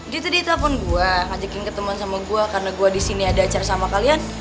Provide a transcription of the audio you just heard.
dia tadi telepon gua ngajakin ketemuan sama gua karena gua disini ada acara sama kalian